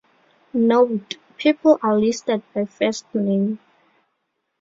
Note: People are listed by first name.